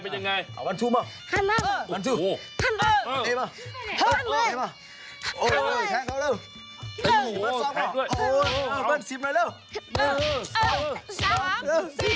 เออเอาละค่ะคุณพ่อขอบคุณมาก